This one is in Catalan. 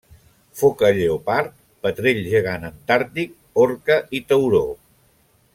Foca lleopard, petrell gegant antàrtic, orca i tauró.